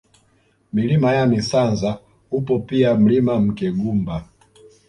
Milima ya Misansa upo pia Mlima Mkegumba